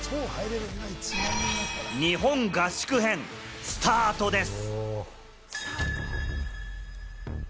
日本合宿編スタートです。